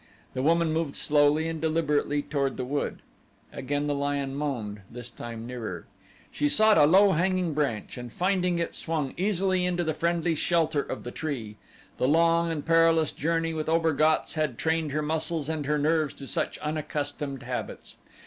The woman moved slowly and deliberately toward the wood. Again the lion moaned; this time nearer. She sought a low hanging branch and finding it swung easily into the friendly shelter of the tree. The long and perilous journey with Obergatz had trained her muscles and her nerves to such unaccustomed habits.